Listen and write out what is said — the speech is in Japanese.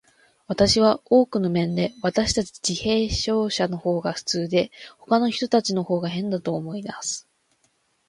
私は、多くの面で、私たち自閉症者のほうが普通で、ほかの人たちのほうが変だと思います。